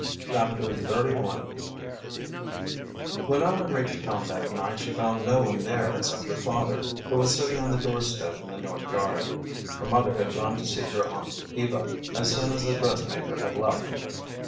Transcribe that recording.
Chapter XXXI When Ellen reached home that night she found no one there except her father, who was sitting on the door step in the north yard. Her mother had gone to see her aunt Eva as soon as the dressmaker had left.